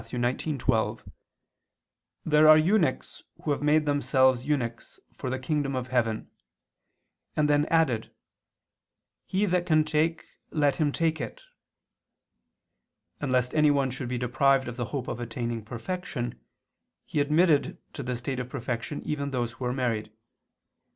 19:12): "There are eunuchs who have made themselves eunuchs, for the kingdom of heaven," and then added: "He that can take, let him take it." And lest anyone should be deprived of the hope of attaining perfection, he admitted to the state of perfection those even who were married.